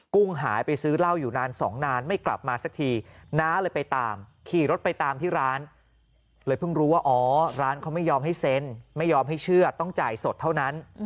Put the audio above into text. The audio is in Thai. กุ้งหายไปซื้อเหล้าอยู่นานสองนานไม่กลับมาสักทีน้าเลยไปตามขี่รถไปตามที่ร้านเลยเพิ่งรู้ว่าอ๋อร้านเขาไม่ยอมให้เซ็นไม่ยอมให้เชื่อต้องจ่ายสดเท่านั้น